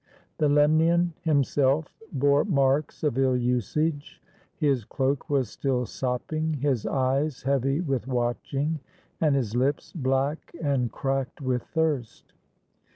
The Lemnian himself bore marks of ill usage. His cloak was still sopping, his eyes heavy with watching, and his lips black and cracked with thirst.